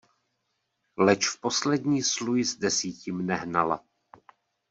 Leč v poslední sluj z desíti mne hnala.